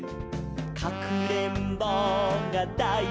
「かくれんぼうがだいすきです」